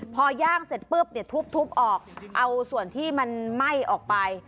พอย่างเสร็จปุ๊บเนี่ยทุบออกเอาส่วนที่มันไหม้ออกไป